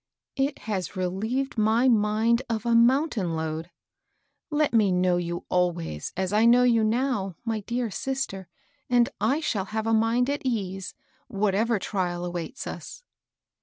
" It has relieved my mind of a moun tain load. Let me know you always as I know you now, my dear Ater, and I shall have a mind at ease, whatever trial awaits us.